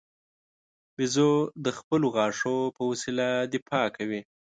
بیزو د خپلو غاښو په وسیله دفاع کوي.